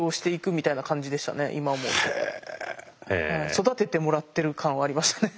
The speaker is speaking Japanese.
育ててもらってる感はありましたね。